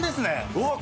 うわっ！